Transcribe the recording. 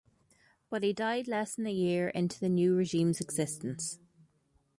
But he died less than a year into the new regime's existence.